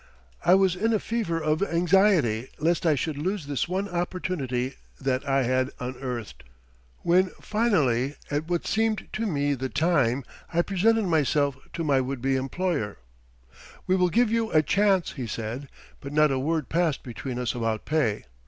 I was in a fever of anxiety lest I should lose this one opportunity that I had unearthed. When finally at what seemed to me the time, I presented myself to my would be employer: "We will give you a chance," he said, but not a word passed between us about pay.